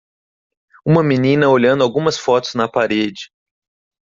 Uma menina olhando algumas fotos na parede.